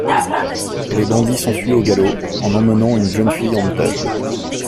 Les bandits s'enfuient au galop en emmenant une jeune fille en otage.